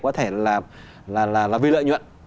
có thể là vì lợi nhuận